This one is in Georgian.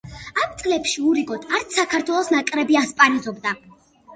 ამ წლებში ურიგოდ არც საქართველოს ნაკრები ასპარეზობდა.